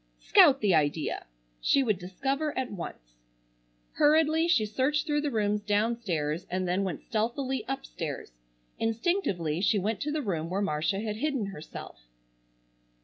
Scout the idea! She would discover at once. Hurriedly she searched through the rooms downstairs and then went stealthily upstairs. Instinctively she went to the room where Marcia had hidden herself.